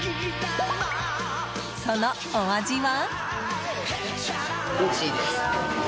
そのお味は？